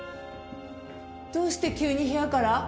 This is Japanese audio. どうして急に部屋から？